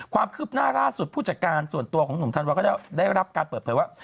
ความคืบหน้าล่าสุดผู้จัดการส่วนตัวของหนุ่มธันวาก็ได้รับการเปิดเผยว่า